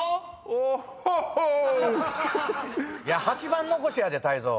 ８番残しやで泰造。